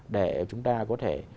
để chúng ta có thể